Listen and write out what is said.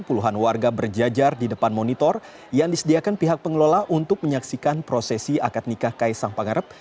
puluhan warga berjajar di depan monitor yang disediakan pihak pengelola untuk menyaksikan prosesi akad nikah kaisang pangarep